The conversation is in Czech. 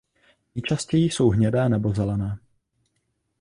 Nejčastěji jsou hnědé nebo zelené.